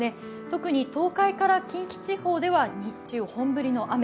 特に東海から近畿地方では日中、本降りの雨。